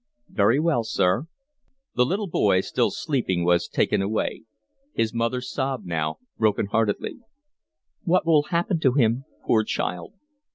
"Very well, sir." The little boy, still sleeping, was taken away. His mother sobbed now broken heartedly. "What will happen to him, poor child?"